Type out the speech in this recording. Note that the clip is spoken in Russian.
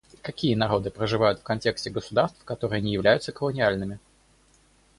Какие народы проживают в контексте государств, которые не являются колониальными?